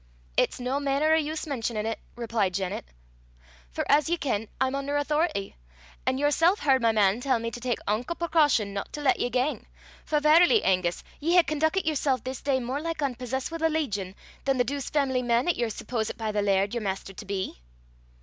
"It's no mainner o' use mentionin' 't," replied Janet; "for, as ye ken, I'm un'er authority, an' yersel' h'ard my man tell me to tak unco percaution no to lat ye gang; for verily, Angus, ye hae conduckit yersel' this day more like ane possessed wi' a legion, than the douce faimily man 'at ye're supposit by the laird, yer maister, to be."